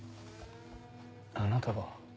あなたは。